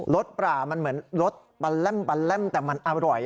รสปลามันเหมือนรสบัลแล่มแต่มันอร่อย